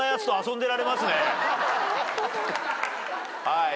はい。